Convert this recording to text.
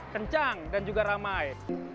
kencang dan juga ramai